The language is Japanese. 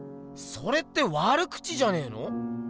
それって悪口じゃねえの？